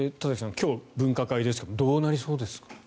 今日、分科会ですけどどうなりそうですかね。